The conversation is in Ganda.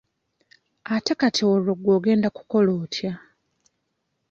Ate kati olwo gwe ogenda kukola otya?